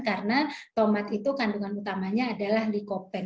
karena tomat itu kandungan utamanya adalah likopen